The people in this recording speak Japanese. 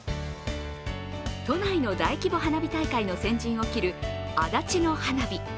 都内の大規模花火大会の先陣を切る足立の花火。